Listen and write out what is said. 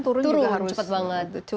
turun cepat banget